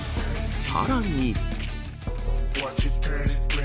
さらに。